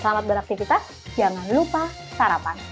selamat beraktivitas jangan lupa sarapan